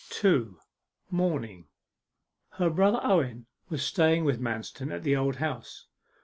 2. MORNING Her brother Owen was staying with Manston at the Old House.